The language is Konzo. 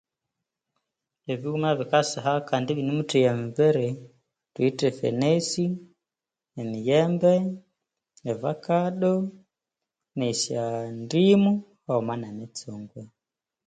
Ebighuma ebikasiha Kandi ibinemutheya emibiri thuwithe efenesi emiyembe evakado esyandimu haghuma nemitsungw.